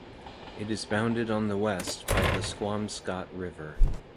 It is bounded on the west by the Squamscott River.